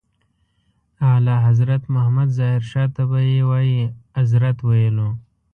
اعلیحضرت محمد ظاهر شاه ته به یې وایي اذرت ویلو.